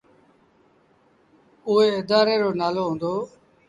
اُئي ادآري رو نآلو هُݩدو۔